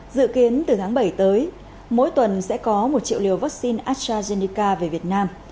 dự kiến từ tháng bảy tới mỗi tuần sẽ có một triệu liều vaccine astrazeneca về việt nam